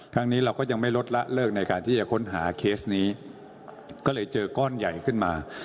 ครั้งนี้เราก็ยังไม่ลดละเลิกในการที่จะค้นหาเคสนี้ก็เลยเจอก้อนใหญ่ขึ้นมา